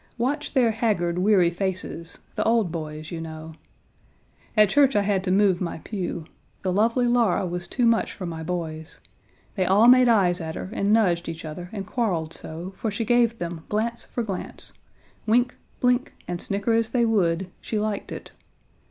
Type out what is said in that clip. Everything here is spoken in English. Watch their haggard, weary faces, the old boys, you know. At church I had to move my pew. The lovely Laura was too much for my boys. They all made eyes at her, and nudged each other and quarreled so, for she gave them glance for glance. Wink, blink, and snicker as they would, she liked it.